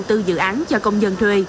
một chủ đầu tư nhà cho công dân thuê